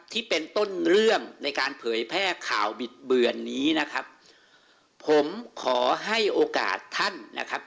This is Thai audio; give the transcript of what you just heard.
ที่เป็นต้นเรื่องในการเผยแพร่ข่าวบิดเบือนนี้นะครับผมขอให้โอกาสท่านนะครับ